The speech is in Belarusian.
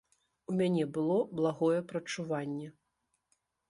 У мяне было благое прадчуванне!